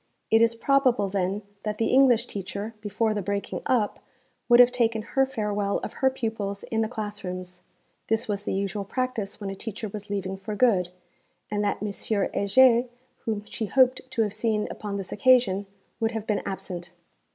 It is probable then that the English teacher, before the breaking up, would have taken her farewell of her pupils in the class rooms this was the usual practice when a teacher was leaving for good and that M. Heger, whom she hoped to have seen upon this occasion, would have been absent.